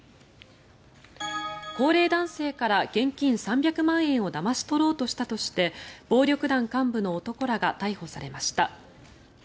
高齢男性から現金３００万円をだまし取ろうとしたとして暴力団幹部の男らが逮捕されました。